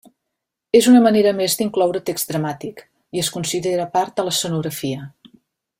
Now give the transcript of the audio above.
És una manera més d'incloure text dramàtic i es considera part de l'escenografia.